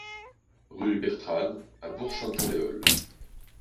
Rue Bertranne à Bourg-Saint-Andéol